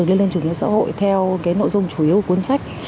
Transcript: con đường lên chủ nghĩa xã hội theo cái nội dung chủ yếu của cuốn sách